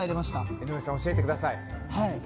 江上さん、教えてください。